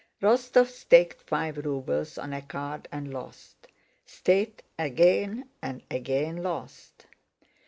Rostóv staked five rubles on a card and lost, staked again, and again lost.